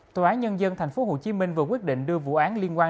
tòa án nhân dân tp hcm vừa quyết định đưa vụ án liên quan